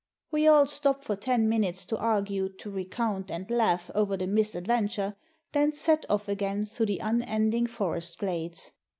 We all stop for ten minutes to argue, to recount, and laugh over the misadventure, then set off again through the unending forest glades.